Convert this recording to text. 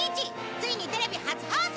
ついにテレビ初放送！